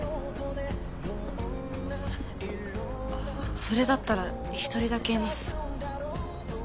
あぁそれだったら１人だけいます。